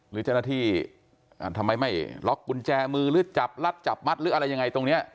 หรือเจ้าหน้าที่ทำไมไม่ล็อกกุญแจมือหรือจับรัดจับมัดหรืออะไรยังไงตรงนี้